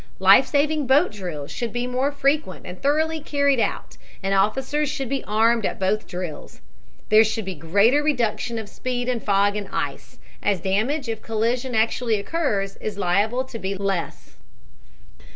Life saving boat drills should be more frequent and thoroughly carried out and officers should be armed at both drills. There should be greater reduction of speed in fog and ice, as damage if collision actually occurs is liable to be less.